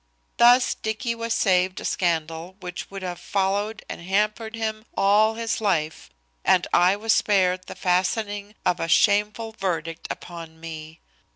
Thus Dicky was saved a scandal which would have followed and hampered him all his life, and I was spared the fastening of a shameful verdict upon me.